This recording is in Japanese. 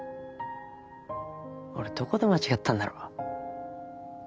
俺どこで間違ったんだろう？